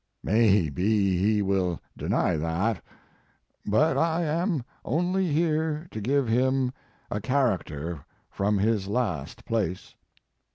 May be he will deny that. But I am only here to give him a character from his last place.